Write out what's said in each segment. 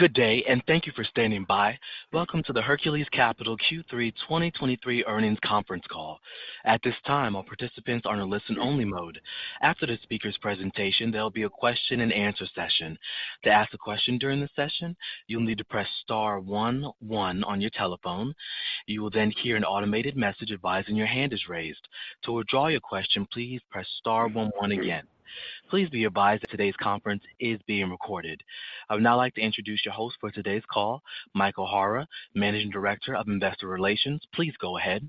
Good day, and thank you for standing by. Welcome to the Hercules Capital Q3 2023 Earnings Conference Call. At this time, all participants are in a listen-only mode. After the speaker's presentation, there'll be a question-and-answer session. To ask a question during the session, you'll need to press star one one on your telephone. You will then hear an automated message advising your hand is raised. To withdraw your question, please press star one one again. Please be advised that today's conference is being recorded. I would now like to introduce your host for today's call, Michael Hara, Managing Director of Investor Relations. Please go ahead.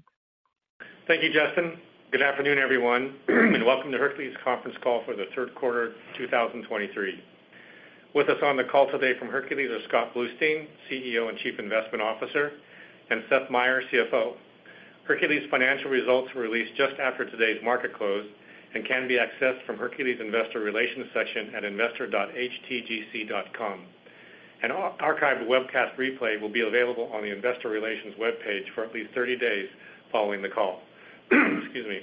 Thank you, Justin. Good afternoon, everyone, and welcome to Hercules conference call for the third quarter 2023. With us on the call today from Hercules are Scott Bluestein, CEO and Chief Investment Officer, and Seth Meyer, CFO. Hercules financial results were released just after today's market close and can be accessed from Hercules Investor Relations section at investor.htgc.com. An archived webcast replay will be available on the investor relations webpage for at least 30 days following the call. Excuse me.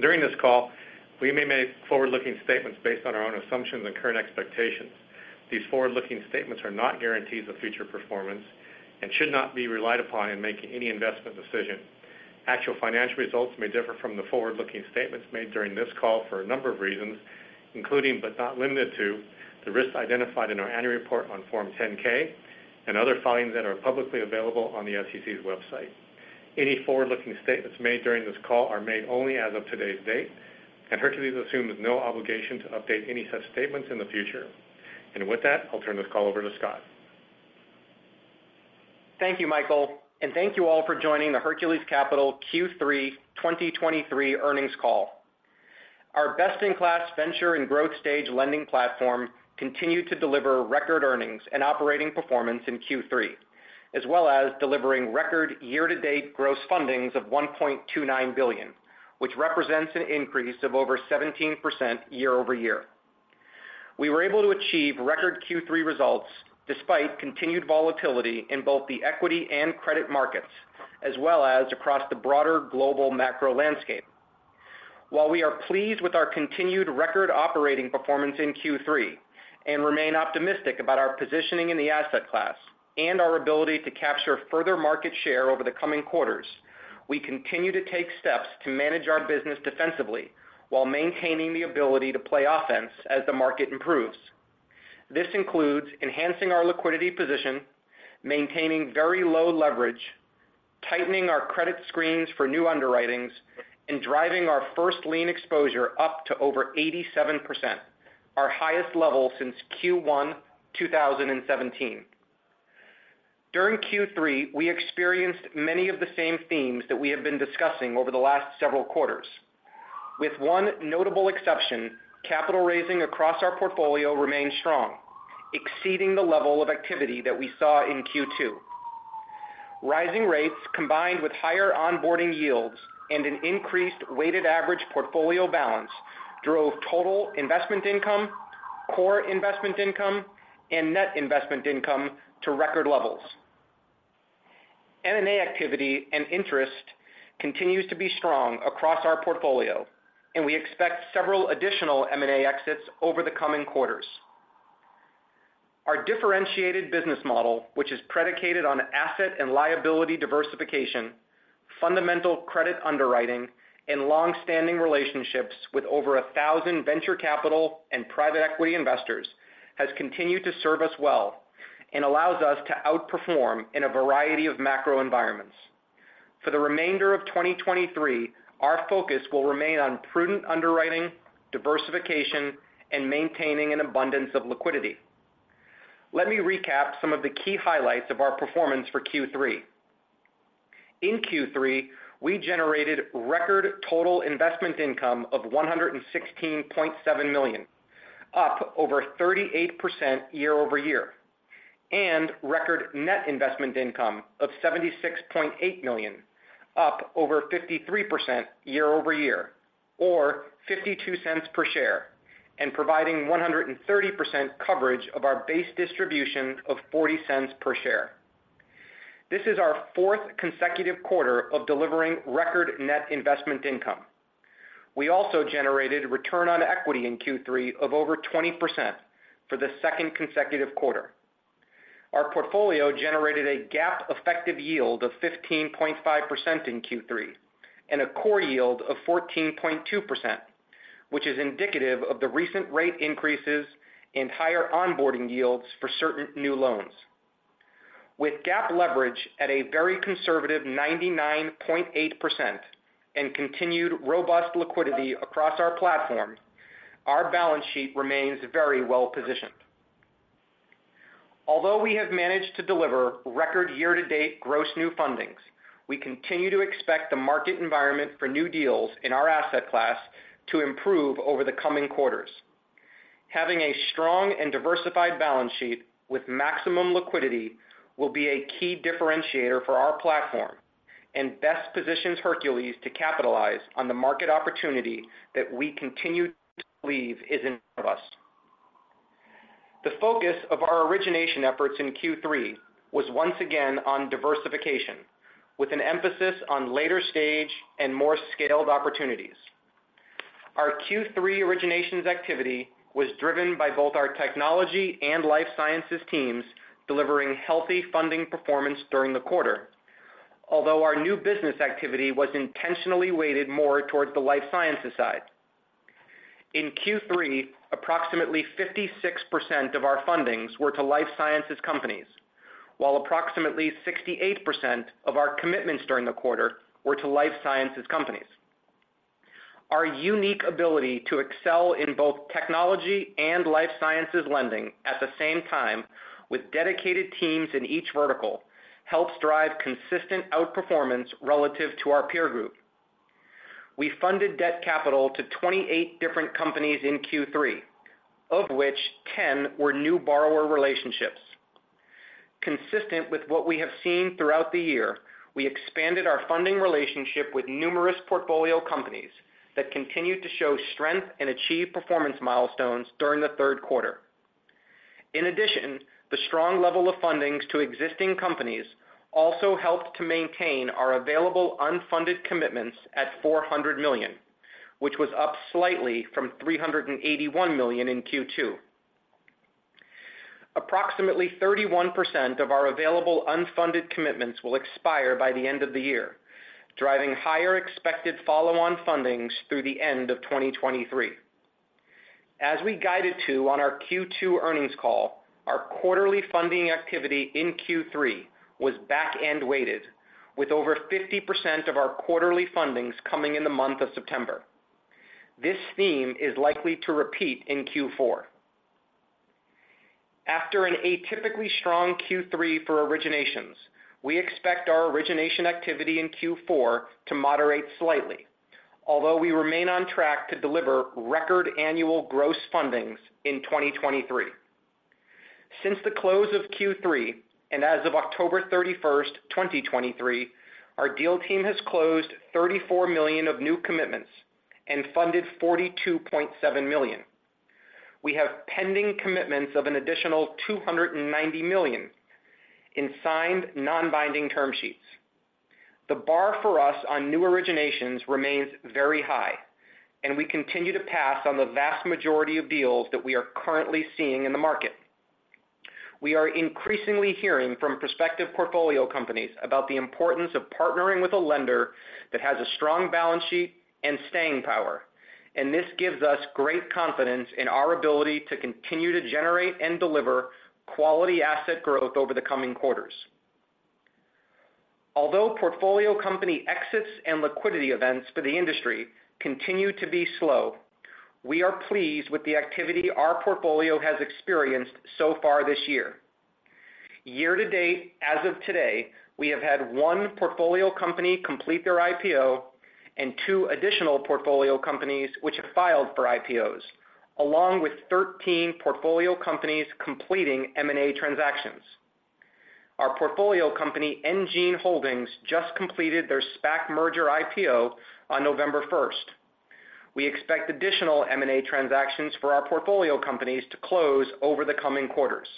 During this call, we may make forward-looking statements based on our own assumptions and current expectations. These forward-looking statements are not guarantees of future performance and should not be relied upon in making any investment decision. Actual financial results may differ from the forward-looking statements made during this call for a number of reasons, including, but not limited to, the risks identified in our annual report on Form 10-K and other filings that are publicly available on the SEC's website. Any forward-looking statements made during this call are made only as of today's date, and Hercules assumes no obligation to update any such statements in the future. With that, I'll turn this call over to Scott. Thank you, Michael, and thank you all for joining the Hercules Capital Q3 2023 earnings call. Our best-in-class venture and growth stage lending platform continued to deliver record earnings and operating performance in Q3, as well as delivering record year-to-date gross fundings of $1.29 billion, which represents an increase of over 17% year-over-year. We were able to achieve record Q3 results despite continued volatility in both the equity and credit markets, as well as across the broader global macro landscape. While we are pleased with our continued record operating performance in Q3, and remain optimistic about our positioning in the asset class and our ability to capture further market share over the coming quarters, we continue to take steps to manage our business defensively while maintaining the ability to play offense as the market improves. This includes enhancing our liquidity position, maintaining very low leverage, tightening our credit screens for new underwritings, and driving our first lien exposure up to over 87%, our highest level since Q1 2017. During Q3, we experienced many of the same themes that we have been discussing over the last several quarters. With one notable exception, capital raising across our portfolio remained strong, exceeding the level of activity that we saw in Q2. Rising rates, combined with higher onboarding yields and an increased weighted average portfolio balance, drove total investment income, core investment income, and net investment income to record levels. M&A activity and interest continues to be strong across our portfolio, and we expect several additional M&A exits over the coming quarters. Our differentiated business model, which is predicated on asset and liability diversification, fundamental credit underwriting, and long-standing relationships with over 1,000 venture capital and private equity investors, has continued to serve us well and allows us to outperform in a variety of macro environments. For the remainder of 2023, our focus will remain on prudent underwriting, diversification, and maintaining an abundance of liquidity. Let me recap some of the key highlights of our performance for Q3. In Q3, we generated record total investment income of $116.7 million, up over 38% year-over-year, and record net investment income of $76.8 million, up over 53% year-over-year, or $0.52 per share, and providing 130% coverage of our base distribution of $0.40 per share. This is our fourth consecutive quarter of delivering record net investment income. We also generated return on equity in Q3 of over 20% for the second consecutive quarter. Our portfolio generated a GAAP effective yield of 15.5% in Q3 and a core yield of 14.2%, which is indicative of the recent rate increases and higher onboarding yields for certain new loans. With GAAP leverage at a very conservative 99.8% and continued robust liquidity across our platform, our balance sheet remains very well positioned. Although we have managed to deliver record year-to-date gross new fundings, we continue to expect the market environment for new deals in our asset class to improve over the coming quarters. Having a strong and diversified balance sheet with maximum liquidity will be a key differentiator for our platform and best positions Hercules to capitalize on the market opportunity that we continue to believe is in us. The focus of our origination efforts in Q3 was once again on diversification, with an emphasis on later stage and more scaled opportunities.... Our Q3 originations activity was driven by both our technology and life sciences teams delivering healthy funding performance during the quarter. Although our new business activity was intentionally weighted more towards the life sciences side. In Q3, approximately 56% of our fundings were to life sciences companies, while approximately 68% of our commitments during the quarter were to life sciences companies. Our unique ability to excel in both technology and life sciences lending at the same time, with dedicated teams in each vertical, helps drive consistent outperformance relative to our peer group. We funded debt capital to 28 different companies in Q3, of which 10 were new borrower relationships. Consistent with what we have seen throughout the year, we expanded our funding relationship with numerous portfolio companies that continued to show strength and achieve performance milestones during the third quarter. In addition, the strong level of fundings to existing companies also helped to maintain our available unfunded commitments at $400 million, which was up slightly from $381 million in Q2. Approximately 31% of our available unfunded commitments will expire by the end of the year, driving higher expected follow-on fundings through the end of 2023. As we guided to on our Q2 earnings call, our quarterly funding activity in Q3 was back-end weighted, with over 50% of our quarterly fundings coming in the month of September. This theme is likely to repeat in Q4. After an atypically strong Q3 for originations, we expect our origination activity in Q4 to moderate slightly, although we remain on track to deliver record annual gross fundings in 2023. Since the close of Q3, and as of October 31st, 2023, our deal team has closed $34 million of new commitments and funded $42.7 million. We have pending commitments of an additional $290 million in signed, non-binding term sheets. The bar for us on new originations remains very high, and we continue to pass on the vast majority of deals that we are currently seeing in the market. We are increasingly hearing from prospective portfolio companies about the importance of partnering with a lender that has a strong balance sheet and staying power, and this gives us great confidence in our ability to continue to generate and deliver quality asset growth over the coming quarters. Although portfolio company exits and liquidity events for the industry continue to be slow, we are pleased with the activity our portfolio has experienced so far this year. Year-to-date, as of today, we have had one portfolio company complete their IPO and two additional portfolio companies which have filed for IPOs, along with 13 portfolio companies completing M&A transactions. Our portfolio company, enGene Holdings, just completed their SPAC merger IPO on November first. We expect additional M&A transactions for our portfolio companies to close over the coming quarters.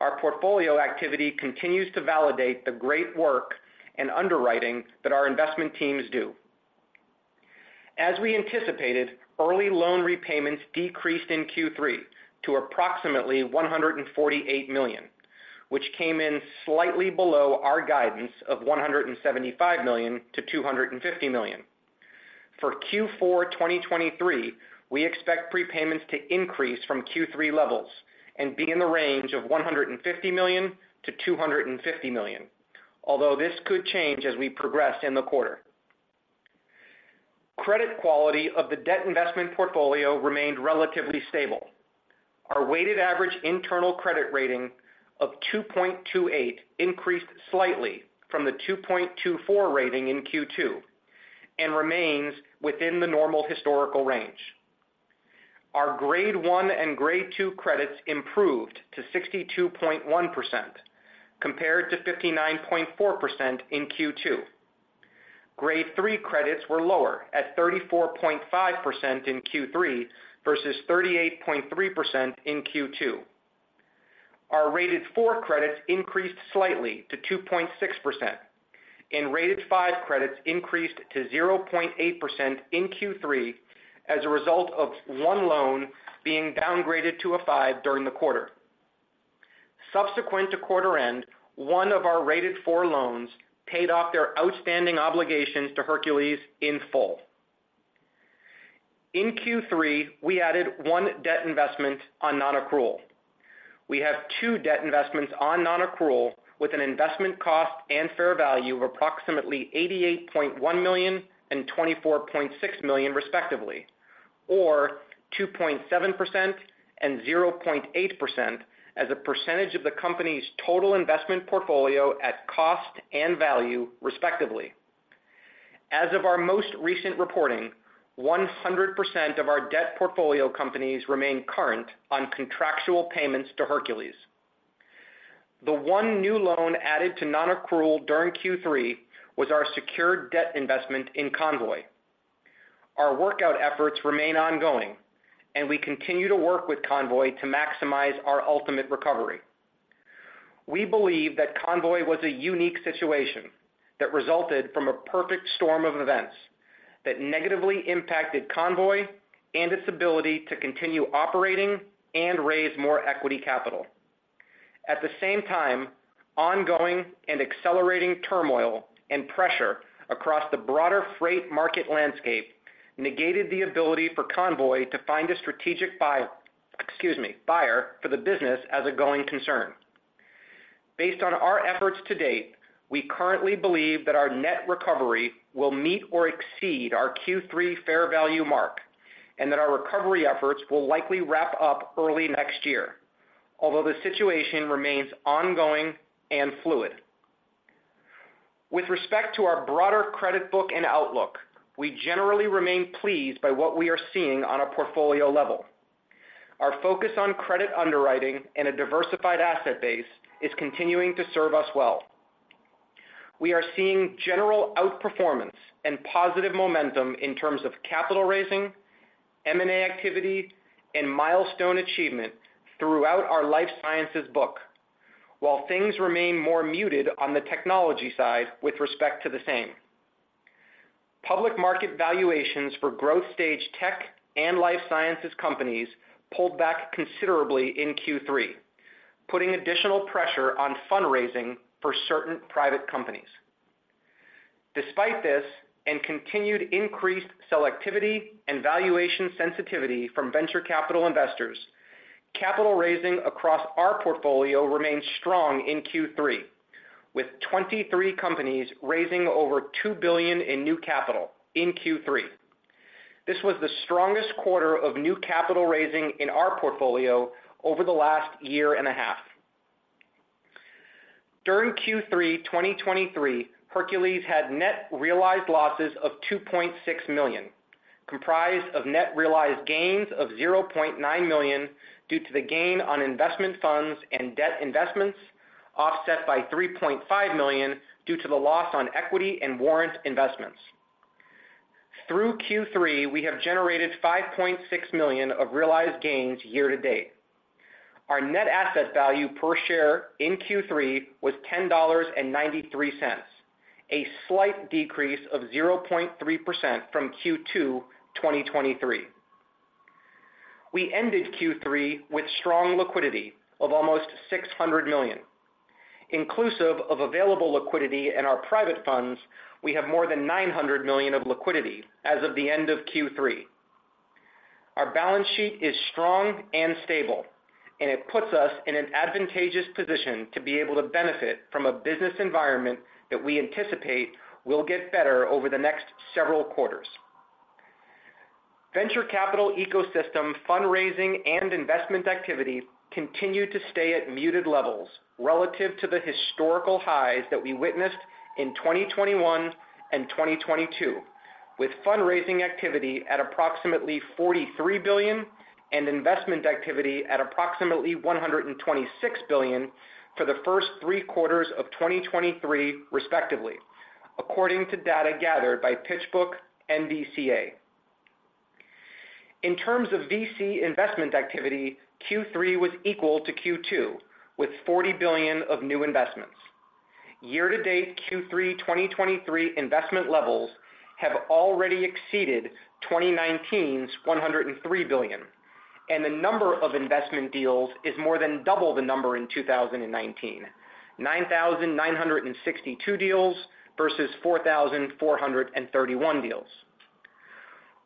Our portfolio activity continues to validate the great work and underwriting that our investment teams do. As we anticipated, early loan repayments decreased in Q3 to approximately $148 million, which came in slightly below our guidance of $175 million-$250 million. For Q4 2023, we expect prepayments to increase from Q3 levels and be in the range of $150 million-$250 million, although this could change as we progress in the quarter. Credit quality of the debt investment portfolio remained relatively stable. Our weighted average internal credit rating of 2.28 increased slightly from the 2.24 rating in Q2 and remains within the normal historical range. Our Grade 1 and Grade 2 credits improved to 62.1%, compared to 59.4% in Q2. Grade 3 credits were lower at 34.5% in Q3 versus 38.3% in Q2. Our rated four credits increased slightly to 2.6%, and rated five credits increased to 0.8% in Q3 as a result of one loan being downgraded to a five during the quarter. Subsequent to quarter end, one of our rated four loans paid off their outstanding obligations to Hercules in full. In Q3, we added one debt investment on nonaccrual. We have two debt investments on nonaccrual, with an investment cost and fair value of approximately $88.1 million and $24.6 million, respectively, or 2.7% and 0.8% as a percentage of the company's total investment portfolio at cost and value, respectively. As of our most recent reporting, 100% of our debt portfolio companies remain current on contractual payments to Hercules. The one new loan added to nonaccrual during Q3 was our secured debt investment in Convoy. Our workout efforts remain ongoing, and we continue to work with Convoy to maximize our ultimate recovery. We believe that Convoy was a unique situation that resulted from a perfect storm of events that negatively impacted Convoy and its ability to continue operating and raise more equity capital. At the same time, ongoing and accelerating turmoil and pressure across the broader freight market landscape negated the ability for Convoy to find a strategic buy, excuse me, buyer for the business as a going concern. Based on our efforts to date, we currently believe that our net recovery will meet or exceed our Q3 fair value mark, and that our recovery efforts will likely wrap up early next year, although the situation remains ongoing and fluid. With respect to our broader credit book and outlook, we generally remain pleased by what we are seeing on a portfolio level. Our focus on credit underwriting and a diversified asset base is continuing to serve us well. We are seeing general outperformance and positive momentum in terms of capital raising, M&A activity, and milestone achievement throughout our life sciences book, while things remain more muted on the technology side with respect to the same. Public market valuations for growth-stage tech and life sciences companies pulled back considerably in Q3, putting additional pressure on fundraising for certain private companies. Despite this, and continued increased selectivity and valuation sensitivity from venture capital investors, capital raising across our portfolio remained strong in Q3, with 23 companies raising over $2 billion in new capital in Q3. This was the strongest quarter of new capital raising in our portfolio over the last year and a half. During Q3 2023, Hercules had net realized losses of $2.6 million, comprised of net realized gains of $0.9 million due to the gain on investment funds and debt investments, offset by $3.5 million due to the loss on equity and warrant investments. Through Q3, we have generated $5.6 million of realized gains year-to-date. Our net asset value per share in Q3 was $10.93, a slight decrease of 0.3% from Q2 2023. We ended Q3 with strong liquidity of almost $600 million. Inclusive of available liquidity in our private funds, we have more than $900 million of liquidity as of the end of Q3. Our balance sheet is strong and stable, and it puts us in an advantageous position to be able to benefit from a business environment that we anticipate will get better over the next several quarters. Venture capital ecosystem fundraising and investment activities continue to stay at muted levels relative to the historical highs that we witnessed in 2021 and 2022, with fundraising activity at approximately $43 billion and investment activity at approximately $126 billion for the first three quarters of 2023, respectively, according to data gathered by PitchBook NVCA. In terms of VC investment activity, Q3 was equal to Q2, with $40 billion of new investments. Year-to-date, Q3 2023 investment levels have already exceeded 2019's $103 billion, and the number of investment deals is more than double the number in 2019, 9,962 deals versus 4,431 deals.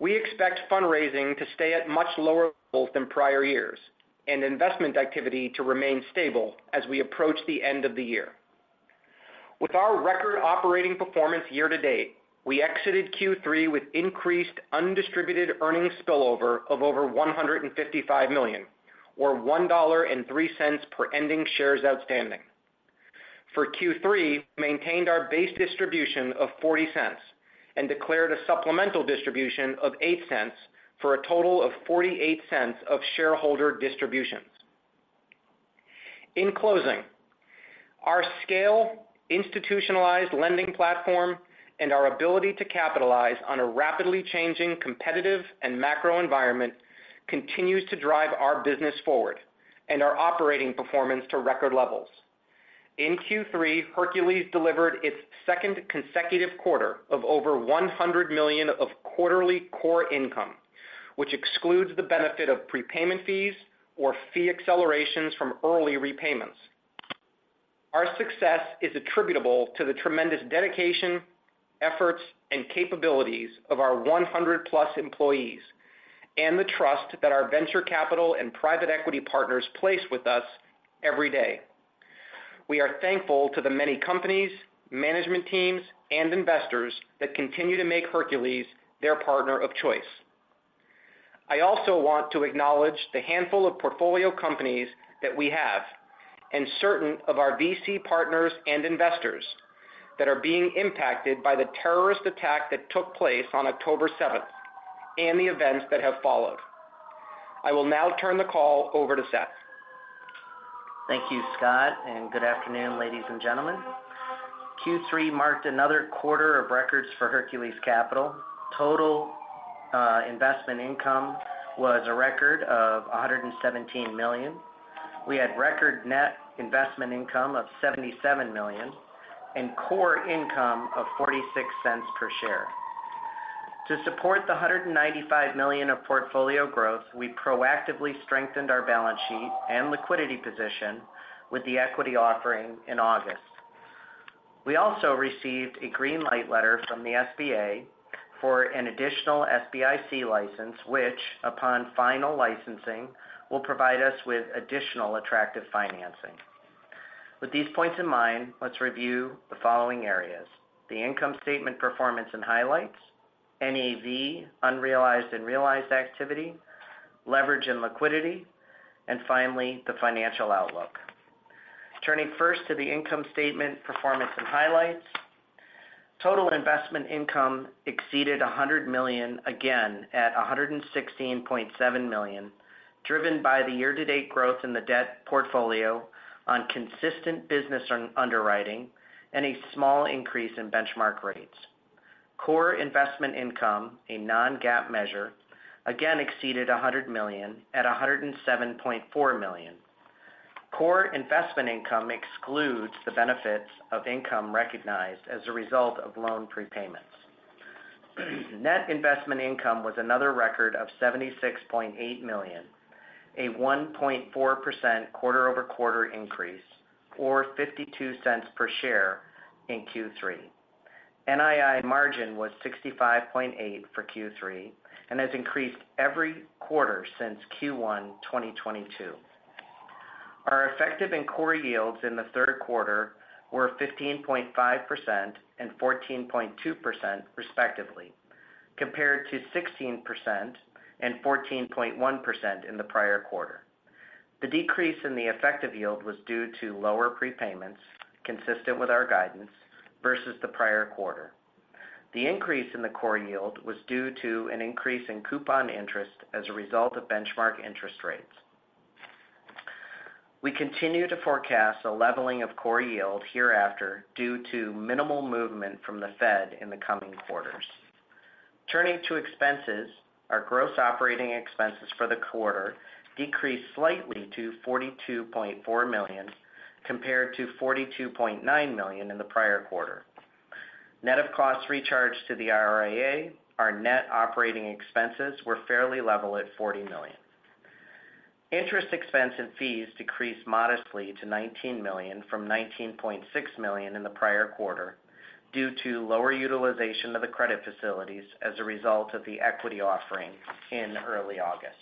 We expect fundraising to stay at much lower levels than prior years and investment activity to remain stable as we approach the end of the year. With our record operating performance year-to-date, we exited Q3 with increased undistributed earnings spillover of over $155 million, or $1.03 per ending shares outstanding. For Q3, maintained our base distribution of $0.40 and declared a supplemental distribution of $0.08, for a total of $0.48 of shareholder distributions. In closing, our scale, institutionalized lending platform, and our ability to capitalize on a rapidly changing, competitive, and macro environment continues to drive our business forward and our operating performance to record levels. In Q3, Hercules delivered its second consecutive quarter of over $100 million of quarterly core income, which excludes the benefit of prepayment fees or fee accelerations from early repayments. Our success is attributable to the tremendous dedication, efforts, and capabilities of our 100+ employees and the trust that our venture capital and private equity partners place with us every day. We are thankful to the many companies, management teams, and investors that continue to make Hercules their partner of choice. I also want to acknowledge the handful of portfolio companies that we have, and certain of our VC partners and investors that are being impacted by the terrorist attack that took place on October seventh and the events that have followed. I will now turn the call over to Seth. Thank you, Scott, and good afternoon, ladies and gentlemen. Q3 marked another quarter of records for Hercules Capital. Total investment income was a record of $117 million. We had record net investment income of $77 million and core income of $0.46 per share. To support the $195 million of portfolio growth, we proactively strengthened our balance sheet and liquidity position with the equity offering in August. We also received a green light letter from the SBA for an additional SBIC license, which, upon final licensing, will provide us with additional attractive financing. With these points in mind, let's review the following areas: the income statement performance and highlights, NAV, unrealized and realized activity, leverage and liquidity, and finally, the financial outlook. Turning first to the income statement, performance and highlights. Total investment income exceeded $100 million again at $116.7 million, driven by the year-to-date growth in the debt portfolio on consistent business on underwriting and a small increase in benchmark rates. Core investment income, a non-GAAP measure, again exceeded $100 million at $107.4 million. Core investment income excludes the benefits of income recognized as a result of loan prepayments. Net investment income was another record of $76.8 million, a 1.4% quarter-over-quarter increase, or $0.52 per share in Q3. NII margin was 65.8% for Q3 and has increased every quarter since Q1 2022. Our effective and core yields in the third quarter were 15.5% and 14.2%, respectively, compared to 16% and 14.1% in the prior quarter. The decrease in the effective yield was due to lower prepayments, consistent with our guidance versus the prior quarter. The increase in the core yield was due to an increase in coupon interest as a result of benchmark interest rates. We continue to forecast a leveling of core yield hereafter due to minimal movement from the Fed in the coming quarters. Turning to expenses. Our gross operating expenses for the quarter decreased slightly to $42.4 million, compared to $42.9 million in the prior quarter. Net of costs recharged to the RIA, our net operating expenses were fairly level at $40 million. Interest expense and fees decreased modestly to $19 million from $19.6 million in the prior quarter due to lower utilization of the credit facilities as a result of the equity offering in early August.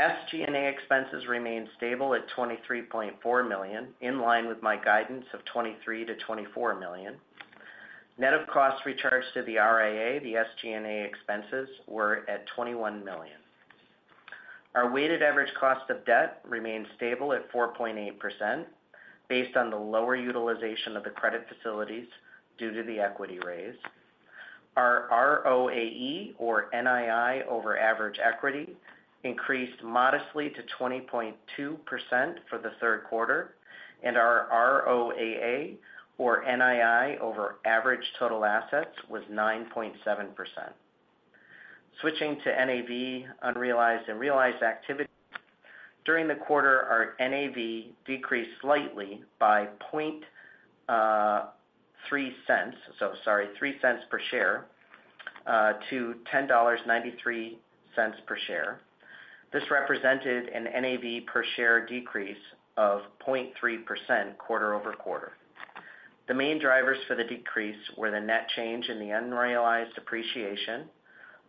SG&A expenses remained stable at $23.4 million, in line with my guidance of $23 million-$24 million. Net of costs recharged to the RIA, the SG&A expenses were at $21 million. Our weighted average cost of debt remained stable at 4.8% based on the lower utilization of the credit facilities due to the equity raise. Our ROAE, or NII/Average Equity increased modestly to 20.2% for the third quarter, and our ROAA, or NII/Average Total Assets was 9.7%. Switching to NAV, unrealized and realized activity. During the quarter, our NAV decreased slightly by point three cents—so sorry, $0.03 per share, to $10.93 per share. This represented an NAV per share decrease of 0.3% quarter-over-quarter. The main drivers for the decrease were the net change in the unrealized appreciation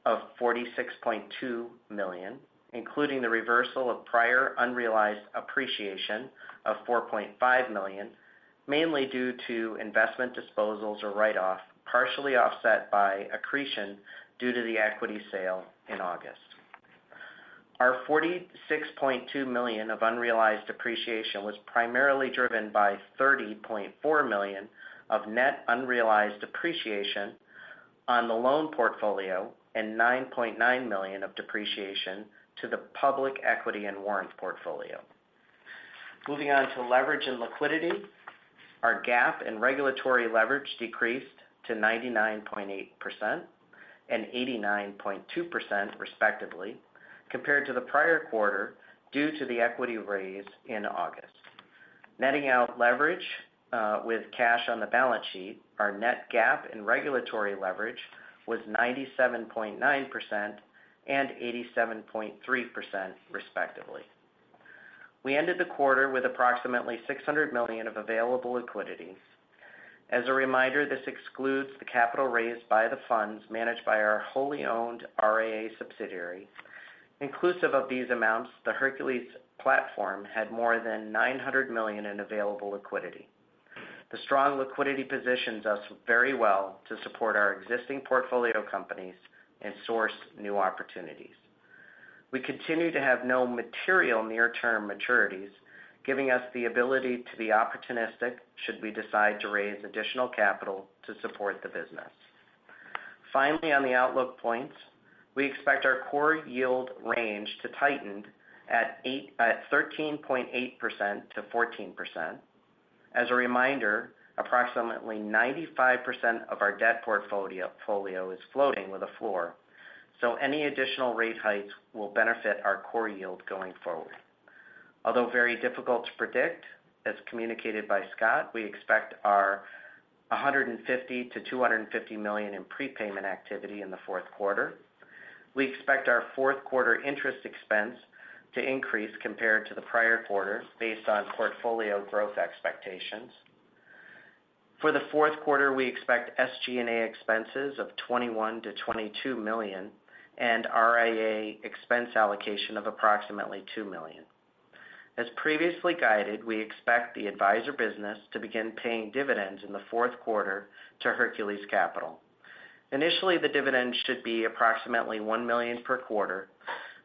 of $46.2 million, including the reversal of prior unrealized appreciation of $4.5 million, mainly due to investment disposals or write-off, partially offset by accretion due to the equity sale in August. Our $46.2 million of unrealized appreciation was primarily driven by $30.4 million of net unrealized depreciation on the loan portfolio and $9.9 million of depreciation to the public equity and warrant portfolio. Moving on to leverage and liquidity. Our GAAP and regulatory leverage decreased to 99.8% and 89.2%, respectively, compared to the prior quarter due to the equity raise in August. Netting out leverage with cash on the balance sheet, our net GAAP and regulatory leverage was 97.9% and 87.3%, respectively. We ended the quarter with approximately $600 million of available liquidity. As a reminder, this excludes the capital raised by the funds managed by our wholly owned RIA subsidiary. Inclusive of these amounts, the Hercules platform had more than $900 million in available liquidity. The strong liquidity positions us very well to support our existing portfolio companies and source new opportunities. We continue to have no material near-term maturities, giving us the ability to be opportunistic should we decide to raise additional capital to support the business. Finally, on the outlook points, we expect our core yield range to tighten at 13.8%-14%. As a reminder, approximately 95% of our debt portfolio is floating with a floor, so any additional rate hikes will benefit our core yield going forward. Although very difficult to predict, as communicated by Scott, we expect our $150 million-$250 million in prepayment activity in the fourth quarter. We expect our fourth quarter interest expense to increase compared to the prior quarter based on portfolio growth expectations. For the fourth quarter, we expect SG&A expenses of $21 million-$22 million and RIA expense allocation of approximately $2 million. As previously guided, we expect the advisor business to begin paying dividends in the fourth quarter to Hercules Capital. Initially, the dividend should be approximately $1 million per quarter,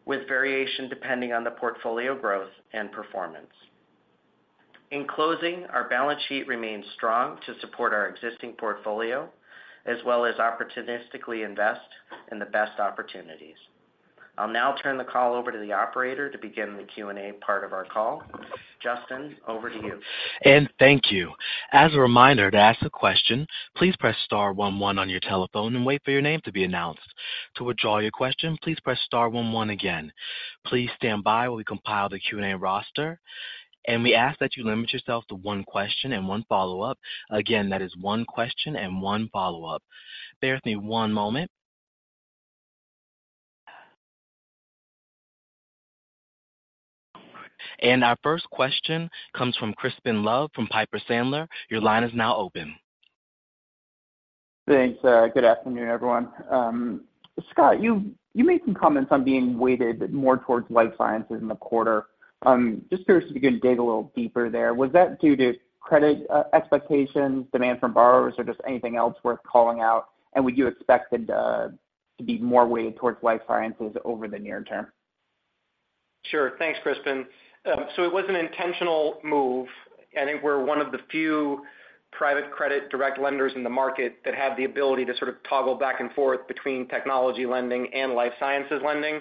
with variation depending on the portfolio growth and performance. In closing, our balance sheet remains strong to support our existing portfolio, as well as opportunistically invest in the best opportunities. I'll now turn the call over to the operator to begin the Q&A part of our call. Justin, over to you. Thank you. As a reminder, to ask a question, please press star one, one on your telephone and wait for your name to be announced. To withdraw your question, please press star one, one again. Please stand by while we compile the Q&A roster, and we ask that you limit yourself to one question and one follow-up. Again, that is one question and one follow-up. Bear with me one moment. Our first question comes from Crispin Love from Piper Sandler. Your line is now open. Thanks. Good afternoon, everyone. Scott, you made some comments on being weighted more towards life sciences in the quarter. Just curious if you can dig a little deeper there. Was that due to credit expectations, demand from borrowers, or just anything else worth calling out? And would you expect it to be more weighted towards life sciences over the near term? Sure. Thanks, Crispin. So it was an intentional move. I think we're one of the few private credit direct lenders in the market that have the ability to sort of toggle back and forth between technology lending and life sciences lending.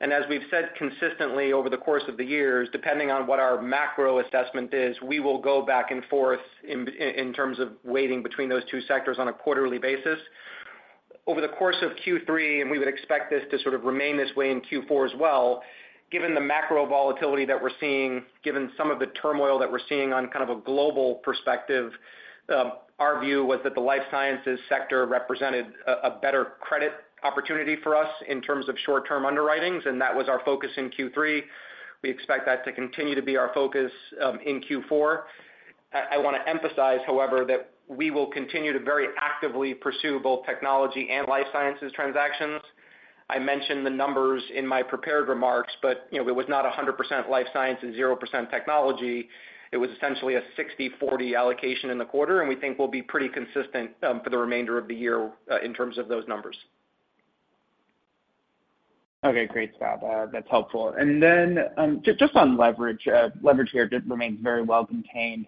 And as we've said consistently over the course of the years, depending on what our macro assessment is, we will go back and forth in terms of weighting between those two sectors on a quarterly basis. Over the course of Q3, and we would expect this to sort of remain this way in Q4 as well, given the macro volatility that we're seeing, given some of the turmoil that we're seeing on kind of a global perspective, our view was that the life sciences sector represented a better credit opportunity for us in terms of short-term underwritings, and that was our focus in Q3. We expect that to continue to be our focus in Q4. I want to emphasize, however, that we will continue to very actively pursue both technology and life sciences transactions. I mentioned the numbers in my prepared remarks, but, you know, it was not 100% life science and 0% technology. It was essentially a 60/40 allocation in the quarter, and we think we'll be pretty consistent for the remainder of the year in terms of those numbers. Okay, great, Scott. That's helpful. And then, just on leverage. Leverage here did remain very well contained.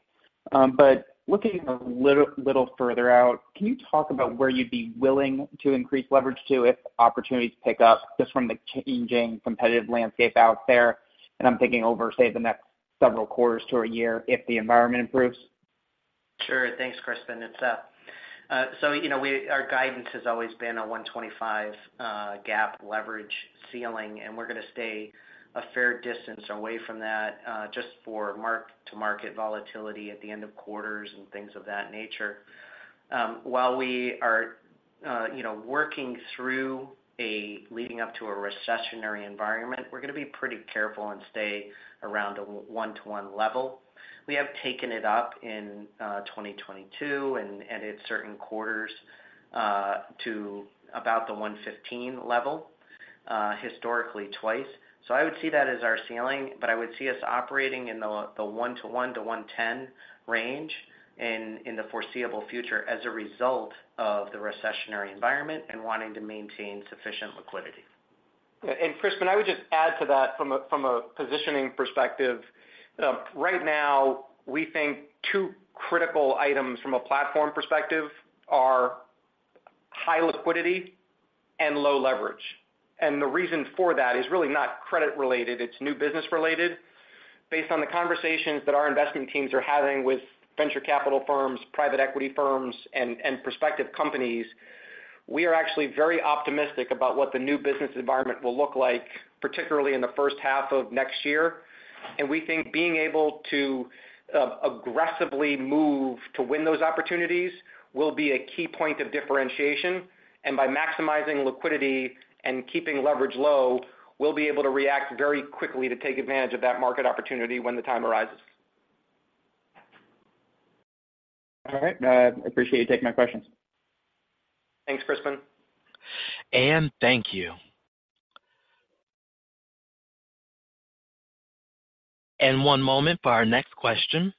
But looking a little further out, can you talk about where you'd be willing to increase leverage to if opportunities pick up just from the changing competitive landscape out there? And I'm thinking over, say, the next several quarters to a year if the environment improves. Sure. Thanks, Crispin. It's... So, you know, our guidance has always been a 1.25 GAAP leverage ceiling, and we're gonna stay a fair distance away from that, just for mark-to-market volatility at the end of quarters and things of that nature. While we are, you know, working through, leading up to a recessionary environment, we're gonna be pretty careful and stay around a 1-to-1 level. We have taken it up in 2022 and at certain quarters to about the 1.15 level, historically twice. So I would see that as our ceiling, but I would see us operating in the 1-to-1 to 1.10 range in the foreseeable future as a result of the recessionary environment and wanting to maintain sufficient liquidity. And Crispin, I would just add to that from a positioning perspective. Right now, we think two critical items from a platform perspective are high liquidity and low leverage. And the reason for that is really not credit related, it's new business related. Based on the conversations that our investment teams are having with venture capital firms, private equity firms, and prospective companies, we are actually very optimistic about what the new business environment will look like, particularly in the first half of next year. And we think being able to aggressively move to win those opportunities will be a key point of differentiation, and by maximizing liquidity and keeping leverage low, we'll be able to react very quickly to take advantage of that market opportunity when the time arises. All right. I appreciate you taking my questions. Thanks, Crispin. Thank you. One moment for our next question.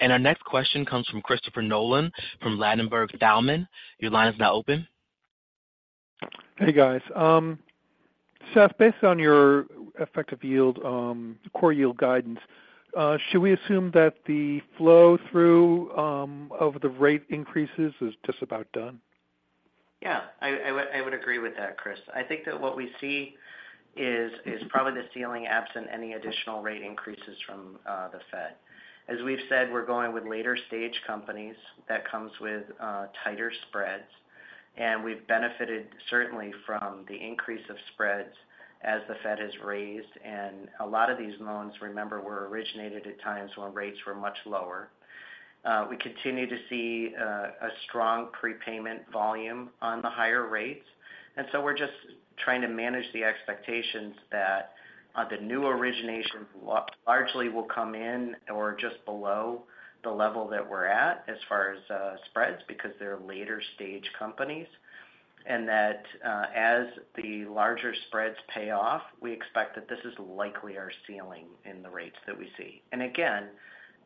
Our next question comes from Christopher Nolan from Ladenburg Thalmann. Your line is now open. Hey, guys. Seth, based on your effective yield, core yield guidance, should we assume that the flow through of the rate increases is just about done? Yeah, I, I would, I would agree with that, Chris. I think that what we see is, is probably the ceiling, absent any additional rate increases from the Fed. As we've said, we're going with later stage companies that comes with tighter spreads, and we've benefited certainly from the increase of spreads as the Fed has raised. And a lot of these loans, remember, were originated at times when rates were much lower. We continue to see a strong prepayment volume on the higher rates, and so we're just trying to manage the expectations that the new originations largely will come in or just below the level that we're at as far as spreads, because they're later stage companies. And that as the larger spreads pay off, we expect that this is likely our ceiling in the rates that we see. Again,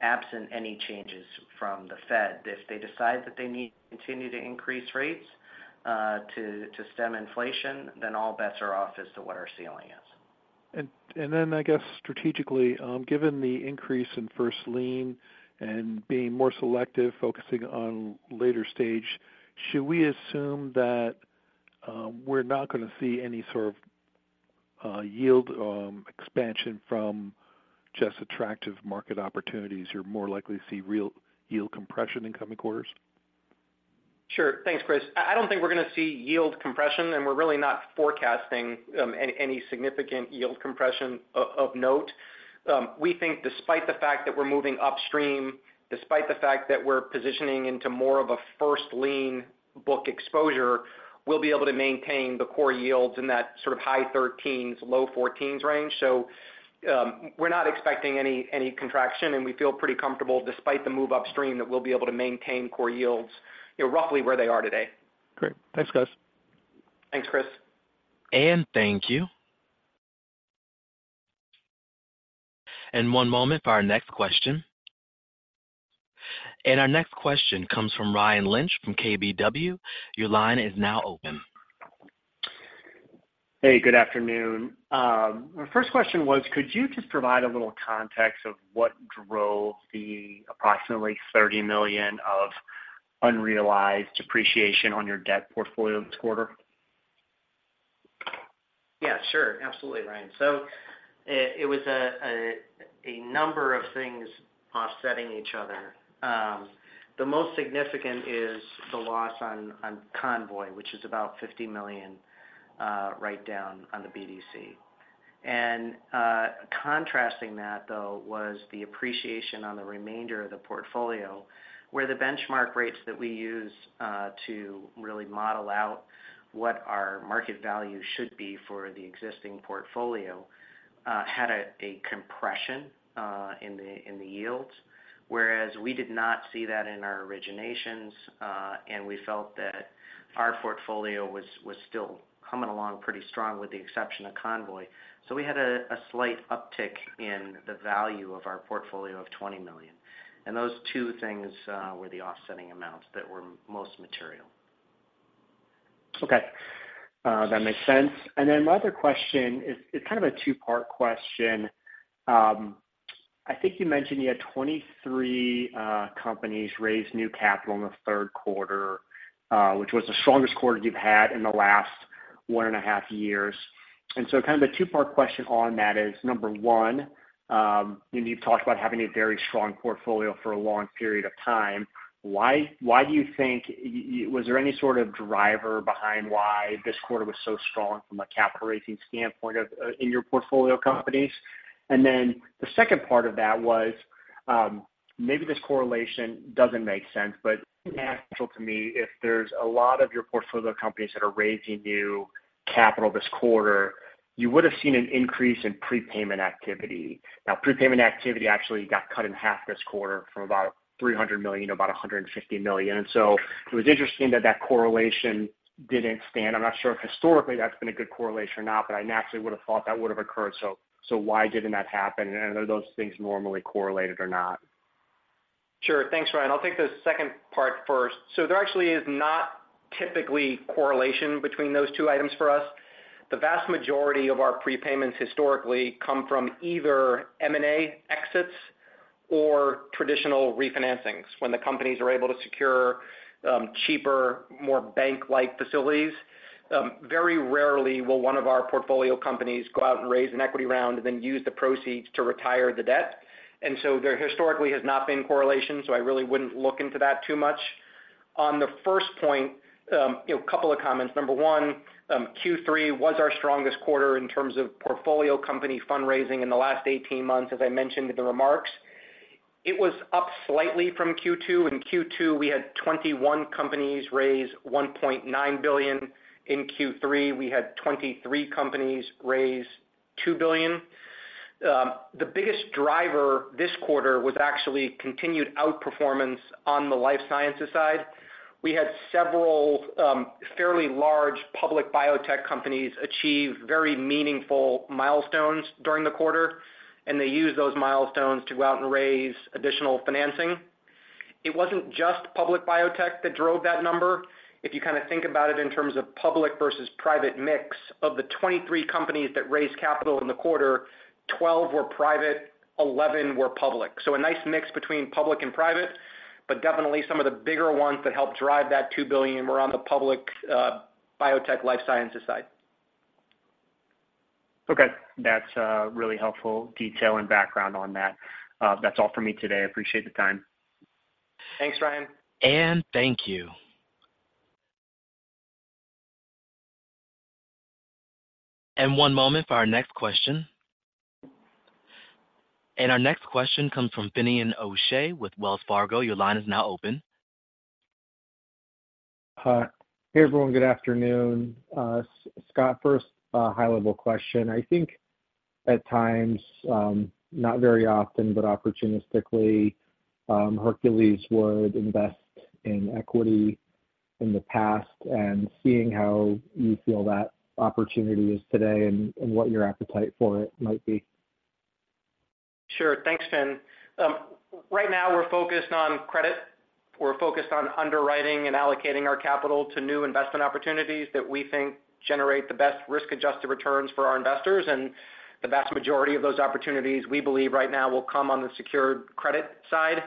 absent any changes from the Fed, if they decide that they need to continue to increase rates to stem inflation, then all bets are off as to what our ceiling is. Then I guess strategically, given the increase in first lien and being more selective, focusing on later-stage, should we assume that we're not gonna see any sort of yield expansion from just attractive market opportunities? You're more likely to see real yield compression in coming quarters? Sure. Thanks, Chris. I don't think we're gonna see yield compression, and we're really not forecasting any significant yield compression of note. We think despite the fact that we're moving upstream, despite the fact that we're positioning into more of a first lien book exposure, we'll be able to maintain the core yields in that sort of high 13s, low 14s range. So, we're not expecting any contraction, and we feel pretty comfortable despite the move upstream, that we'll be able to maintain core yields, you know, roughly where they are today. Great. Thanks, guys. Thanks, Chris. Thank you. One moment for our next question. Our next question comes from Ryan Lynch, from KBW. Your line is now open. Hey, good afternoon. My first question was, could you just provide a little context of what drove the approximately $30 million of unrealized appreciation on your debt portfolio this quarter? Yeah, sure. Absolutely, Ryan. So it was a number of things offsetting each other. The most significant is the loss on Convoy, which is about $50 million write down on the BDC. And contrasting that, though, was the appreciation on the remainder of the portfolio, where the benchmark rates that we use to really model out what our market value should be for the existing portfolio had a compression in the yields. Whereas we did not see that in our originations, and we felt that our portfolio was still coming along pretty strong, with the exception of Convoy. So we had a slight uptick in the value of our portfolio of $20 million. And those two things were the offsetting amounts that were most material. Okay, that makes sense. And then my other question is, it's kind of a two-part question. I think you mentioned you had 23 companies raise new capital in the third quarter, which was the strongest quarter you've had in the last one and a half years. And so kind of a two-part question on that is, number one, you've talked about having a very strong portfolio for a long period of time. Why, why do you think was there any sort of driver behind why this quarter was so strong from a capital raising standpoint of in your portfolio companies? And then the second part of that was, maybe this correlation doesn't make sense, but natural to me, if there's a lot of your portfolio companies that are raising new capital this quarter, you would have seen an increase in prepayment activity. Now, prepayment activity actually got cut in half this quarter from about $300 million to about $150 million. And so it was interesting that that correlation didn't stand. I'm not sure if historically that's been a good correlation or not, but I naturally would have thought that would have occurred. So, so why didn't that happen? And are those things normally correlated or not? Sure. Thanks, Ryan. I'll take the second part first. There actually is not typically correlation between those two items for us. The vast majority of our prepayments historically come from either M&A exits or traditional refinancings, when the companies are able to secure cheaper, more bank-like facilities. Very rarely will one of our portfolio companies go out and raise an equity round and then use the proceeds to retire the debt. And so there historically has not been correlation, so I really wouldn't look into that too much. On the first point, you know, a couple of comments. Number one, Q3 was our strongest quarter in terms of portfolio company fundraising in the last 18 months, as I mentioned in the remarks. It was up slightly from Q2. In Q2, we had 21 companies raise $1.9 billion. In Q3, we had 23 companies raise $2 billion. The biggest driver this quarter was actually continued outperformance on the life sciences side. We had several fairly large public biotech companies achieve very meaningful milestones during the quarter, and they used those milestones to go out and raise additional financing. It wasn't just public biotech that drove that number. If you kind of think about it in terms of public versus private mix, of the 23 companies that raised capital in the quarter, 12 were private, 11 were public. So a nice mix between public and private, but definitely some of the bigger ones that helped drive that $2 billion were on the public biotech life sciences side. Okay. That's really helpful detail and background on that. That's all for me today. I appreciate the time. Thanks, Ryan. Thank you. One moment for our next question. Our next question comes from Finian O'Shea with Wells Fargo. Your line is now open. Hi. Hey, everyone. Good afternoon. Scott, first, a high-level question. I think at times, not very often, but opportunistically, Hercules would invest in equity in the past and seeing how you feel that opportunity is today and, and what your appetite for it might be. Sure. Thanks, Fin. Right now, we're focused on credit. We're focused on underwriting and allocating our capital to new investment opportunities that we think generate the best risk-adjusted returns for our investors, and the vast majority of those opportunities we believe right now will come on the secured credit side.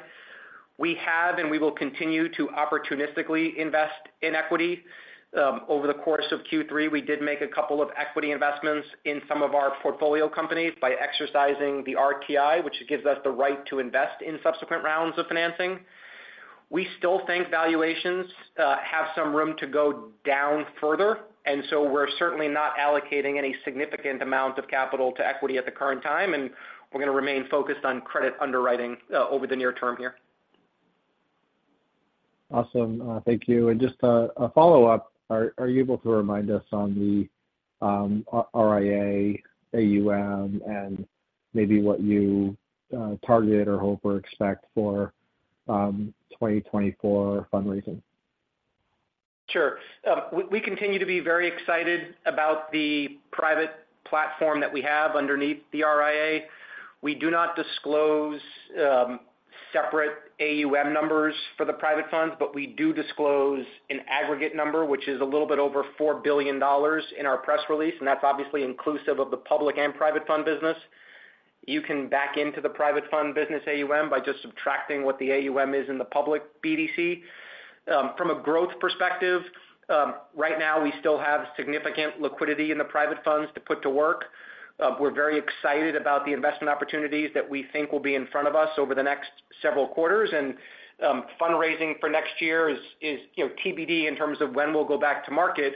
We have, and we will continue to opportunistically invest in equity. Over the course of Q3, we did make a couple of equity investments in some of our portfolio companies by exercising the RTI, which gives us the right to invest in subsequent rounds of financing. We still think valuations have some room to go down further, and so we're certainly not allocating any significant amount of capital to equity at the current time, and we're going to remain focused on credit underwriting over the near term here. Awesome. Thank you. And just a follow-up. Are you able to remind us on the RIA, AUM, and maybe what you target or hope or expect for 2024 fundraising? Sure. We continue to be very excited about the private platform that we have underneath the RIA. We do not disclose separate AUM numbers for the private funds, but we do disclose an aggregate number, which is a little bit over $4 billion in our press release, and that's obviously inclusive of the public and private fund business. You can back into the private fund business AUM by just subtracting what the AUM is in the public. BDC, from a growth perspective, right now, we still have significant liquidity in the private funds to put to work. We're very excited about the investment opportunities that we think will be in front of us over the next several quarters, and fundraising for next year is, you know, TBD in terms of when we'll go back to market,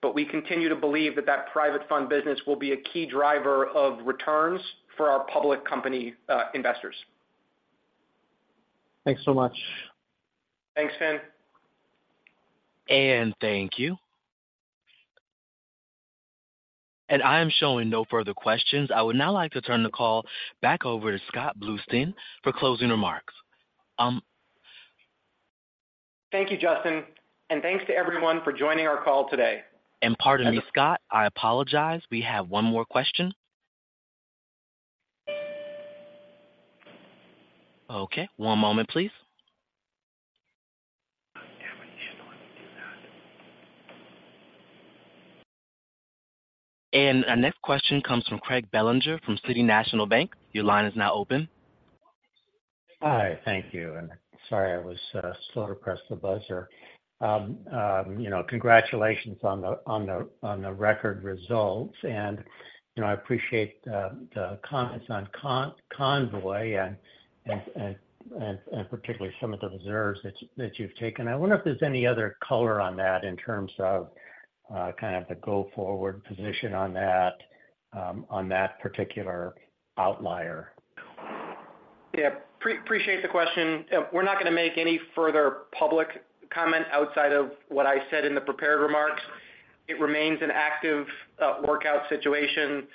but we continue to believe that that private fund business will be a key driver of returns for our public company investors. Thanks so much. Thanks, Fin. Thank you. I am showing no further questions. I would now like to turn the call back over to Scott Bluestein for closing remarks. Thank you, Justin, and thanks to everyone for joining our call today. Pardon me, Scott. I apologize. We have one more question. Okay, one moment, please. Our next question comes from Craig Bellinger from City National Bank. Your line is now open. Hi. Thank you, and sorry, I was slow to press the buzzer. You know, congratulations on the record results. You know, I appreciate the comments on Convoy and particularly some of the reserves that you've taken. I wonder if there's any other color on that in terms of kind of the go-forward position on that particular outlier? Yeah. Appreciate the question. We're not going to make any further public comment outside of what I said in the prepared remarks. It remains an active workout situation.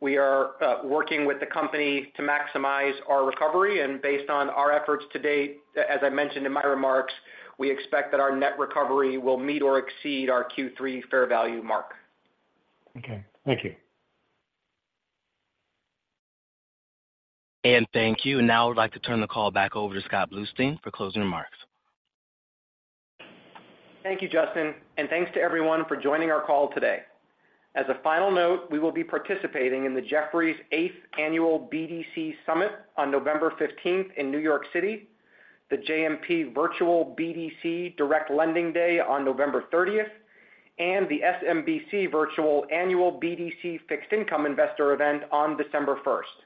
We are working with the company to maximize our recovery, and based on our efforts to date, as I mentioned in my remarks, we expect that our net recovery will meet or exceed our Q3 fair value mark. Okay. Thank you. Thank you. Now I'd like to turn the call back over to Scott Bluestein for closing remarks. Thank you, Justin, and thanks to everyone for joining our call today. As a final note, we will be participating in the Jefferies 8th Annual BDC Summit on November 15th in New York City, the JMP Virtual BDC Direct Lending Day on November 30th, and the SMBC Virtual Annual BDC Fixed Income Investor event on December 1st.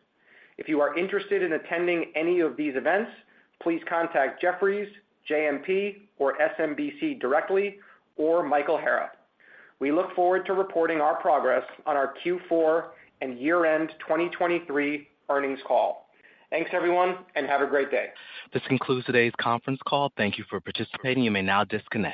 If you are interested in attending any of these events, please contact Jefferies, JMP, or SMBC directly, or Michael Hara. We look forward to reporting our progress on our Q4 and year-end 2023 earnings call. Thanks, everyone, and have a great day. This concludes today's conference call. Thank you for participating. You may now disconnect.